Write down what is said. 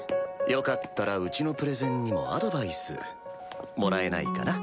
よかったらうちのプレゼンにもアドバイスもらえないかな？